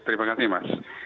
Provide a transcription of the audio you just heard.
terima kasih mas